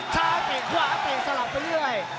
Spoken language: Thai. เตะขวาเตะสลับไปเรื่อย